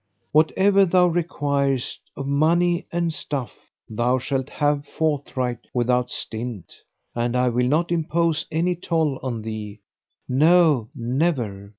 Whatever thou requirest of money and stuff, thou shalt have forthright without stint, and I will not impose any toil on thee, no, never!